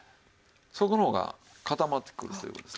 底の方が固まってくるという事ですね。